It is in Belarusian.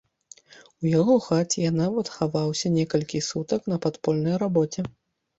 У яго хаце я нават хаваўся некалькі сутак на падпольнай рабоце.